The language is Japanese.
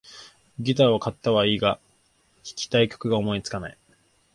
ギターを買ったはいいが、弾きたい曲が思いつかない